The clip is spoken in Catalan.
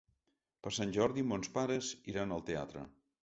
Per Sant Jordi mons pares iran al teatre.